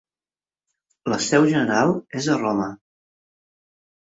La seu general és a Roma.